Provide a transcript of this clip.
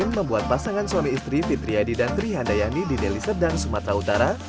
membuat pasangan suami istri fitriyadi dan trihandayani di deli serdang sumatera utara